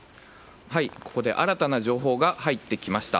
ここで新たな情報が入ってきました。